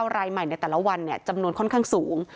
รายใหม่ในแต่ละวันจำนวนค่อนข้างสูง